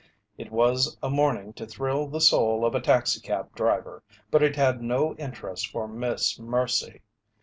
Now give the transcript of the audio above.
It was a morning to thrill the soul of a taxi cab driver, but it had no interest for Miss Mercy.